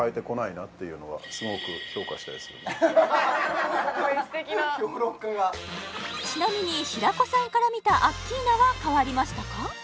すごい素敵な評論家がちなみに平子さんから見たアッキーナは変わりましたか？